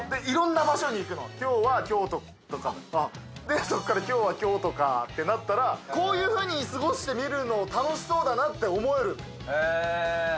いろんな場所に行くのきょうは京都とかそっからきょうは京都かってなったらこういうふうに過ごしてみるのも楽しそうだなって思える。へ。